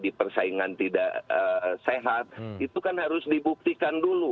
ada persaingan tidak sehat kan harus dibuktikan dulu